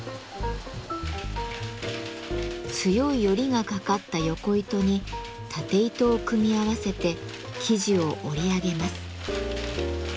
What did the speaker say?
強いヨリがかかったヨコ糸にタテ糸を組み合わせて生地を織り上げます。